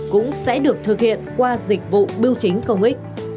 cũng sẽ được thực hiện qua dịch vụ biêu chính công ích